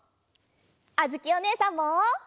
あづきおねえさんも。